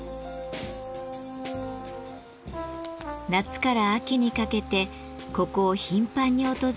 夏から秋にかけてここを頻繁に訪れる人がいます。